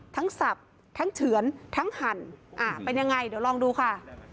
สับทั้งเฉือนทั้งหั่นเป็นยังไงเดี๋ยวลองดูค่ะ